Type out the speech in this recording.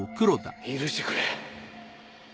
許してくれ。